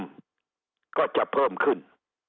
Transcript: คะแนนนิยมก็จะเพิ่มขึ้น